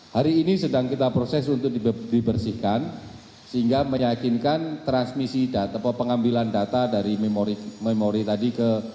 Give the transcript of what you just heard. hari ini sedang kita proses untuk dibersihkan sehingga meyakinkan transmisi data pengambilan data dari memori tadi ke